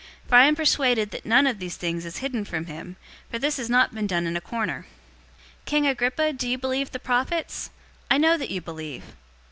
For I am persuaded that none of these things is hidden from him, for this has not been done in a corner. 026:027 King Agrippa, do you believe the prophets? I know that you believe."